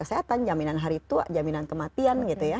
kesehatan jaminan hari tua jaminan kematian gitu ya